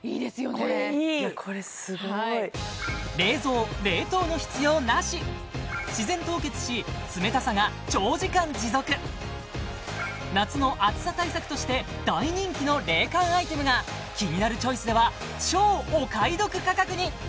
これいいこれすごい冷蔵・冷凍の必要なし自然凍結し冷たさが長時間持続夏の暑さ対策として大人気の冷感アイテムが「キニナルチョイス」では超お買い得価格に！